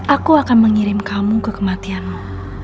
aku akan mengirim kamu ke kematianmu